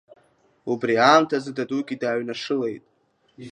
Убри аамҭазы дадугьы дааҩнашылеит.